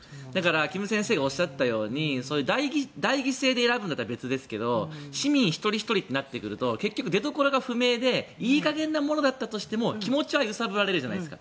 金先生がおっしゃったように代議制で選ぶんだったら別ですけど市民一人ひとりとなってくると結局、出どころが不明でいい加減なものだったとしても気持ちは揺さぶられるじゃないですか。